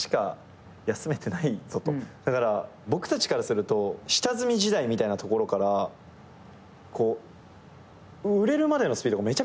だから僕たちからすると下積み時代みたいなところからこう売れるまでのスピードがめちゃめちゃはやかった。